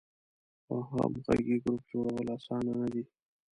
خو همغږی ګروپ جوړول آسانه نه ده.